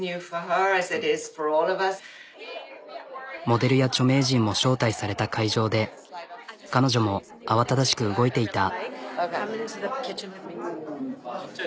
モデルや著名人も招待された会場で彼女も慌ただしく動いていた。